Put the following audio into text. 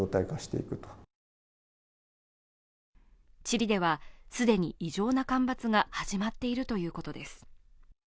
チリでは、既に異常な干ばつが始まっているということです。